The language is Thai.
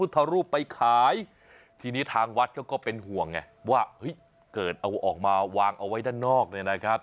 รูปไปขายทีนี้ทางวัดเขาก็เป็นห่วงไงว่าเฮ้ยเกิดเอาออกมาวางเอาไว้ด้านนอกเนี่ยนะครับ